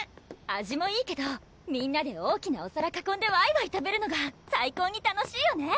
味もいいけどみんなで大きなお皿かこんでワイワイ食べるのが最高に楽しいよね